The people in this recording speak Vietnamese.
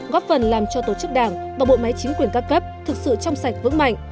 góp phần làm cho tổ chức đảng và bộ máy chính quyền các cấp thực sự trong sạch vững mạnh